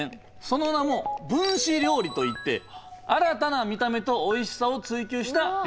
その名も分子料理といって新たな見た目とおいしさを追求した料理なんですね。